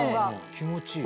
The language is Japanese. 気持ちいい。